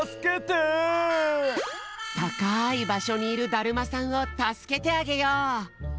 たかいばしょにいるだるまさんをたすけてあげよう！